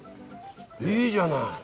いいじゃない！